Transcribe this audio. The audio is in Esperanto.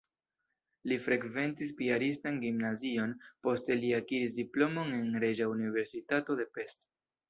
Li frekventis piaristan gimnazion, poste li akiris diplomon en Reĝa Universitato de Pest.